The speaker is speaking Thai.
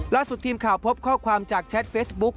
ทีมข่าวพบข้อความจากแชทเฟซบุ๊ก